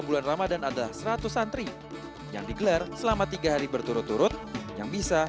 bulan ramadhan adalah seratus santri yang digelar selama tiga hari berturut turut yang bisa